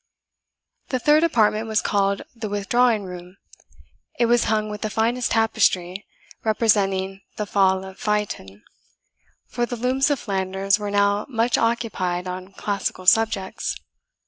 The third apartment was called the withdrawing room. It was hung with the finest tapestry, representing the fall of Phaeton; for the looms of Flanders were now much occupied on classical subjects.